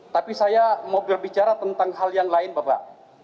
tapi saya mau berbicara tentang hal yang lain bapak